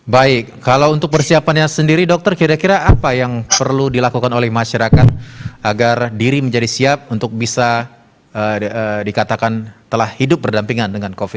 baik kalau untuk persiapannya sendiri dokter kira kira apa yang perlu dilakukan oleh masyarakat agar diri menjadi siap untuk bisa dikatakan telah hidup berdampingan dengan covid sembilan belas